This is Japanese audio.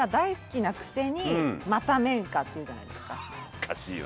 おかしいよな。